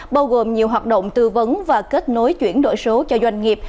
bao gồm nhiều hoạt động tư vấn và kết nối chuyển đổi số cho doanh nghiệp